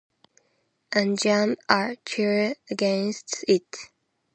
And jam a chair against it.